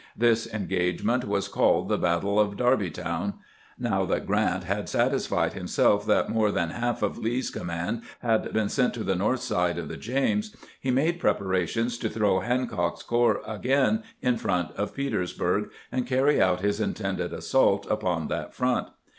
This engagement was called the battle of Darbytown. Now that Grrant had satisfied himself that more than half of Lee's command had been sent to the north side of the James, he made preparations to throw Hancock's corps again in front of Petersburg, and carry out his intended assault upon that front.